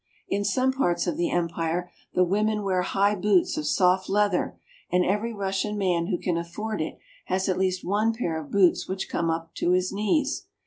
In some parts of the empire the women wear high boots of soft leather, and every Russian man who can afford it has at least one pair of boots which come up to his knees.